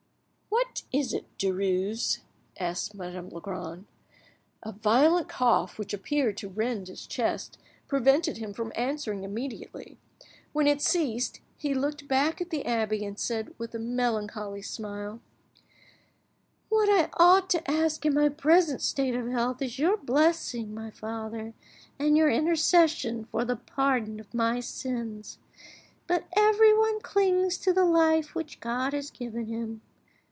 "What is it, Derues?" asked Madame Legrand. A violent cough, which appeared to rend his chest, prevented him from answering immediately. When it ceased, he looked at the abbe, and said, with a melancholy smile— "What I ought to ask in my present state of health is your blessing, my father, and your intercession for the pardon of my sins. But everyone clings to the life which God has given him.